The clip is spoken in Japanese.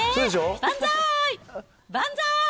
万歳！